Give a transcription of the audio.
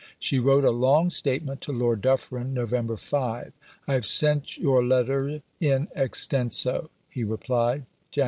She wrote a long statement to Lord Dufferin (Nov. 5). "I have sent your letter in extenso," he replied (Jan.